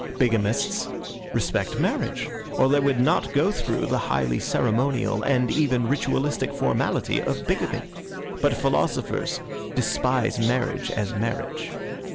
Bigamists respect marriage, or they would not go through the highly ceremonial and even ritualistic formality of bigamy. But philosophers despise marriage as marriage.